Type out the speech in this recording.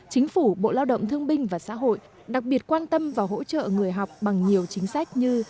chính phủ bộ lao động thương binh và xã hội đặc biệt quan tâm và hỗ trợ người học bằng nhiều chính sách như